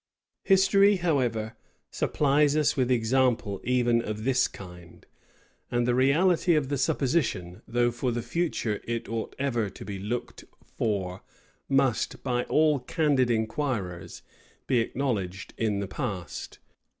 History, however, supplies us with examples even of this kind; and the reality of the supposition, though for the future it ought ever to be little looked for, must, by all candid inquirers, be acknowledged in the past.